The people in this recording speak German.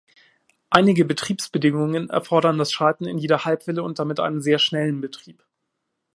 Einige Betriebsbedingungen erfordern das "Schalten in jeder Halbwelle" und damit einen sehr schnellen Betrieb.